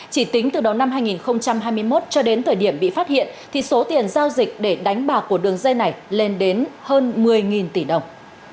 chỉ tính từ đầu năm hai nghìn hai mươi một cho đến thời điểm bị phát hiện thì số tiền giao dịch để đánh bạc của đường dây này lên đến hơn một mươi tỷ đồng